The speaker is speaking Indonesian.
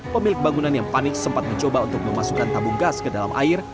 pemilik bangunan yang panik sempat mencoba untuk memasukkan tabung gas ke dalam air